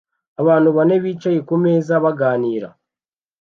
Abantu bane bicaye kumeza baganira